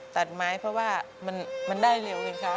ตัดไม้เพราะว่ามันได้เร็วไงคะ